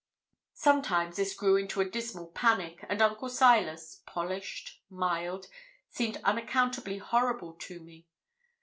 Sometimes this grew into a dismal panic, and Uncle Silas polished, mild seemed unaccountably horrible to me.